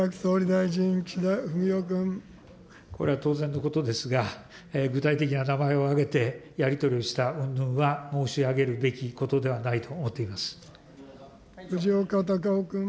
これは当然のことですが、具体的な名前を挙げて、やり取りをしたうんぬんは申し上げるべきことではないと思ってお藤岡隆雄君。